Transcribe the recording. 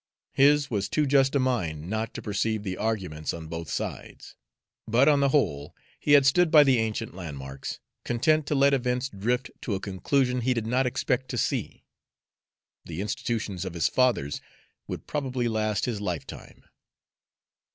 His was too just a mind not to perceive the arguments on both sides; but, on the whole, he had stood by the ancient landmarks, content to let events drift to a conclusion he did not expect to see; the institutions of his fathers would probably last his lifetime.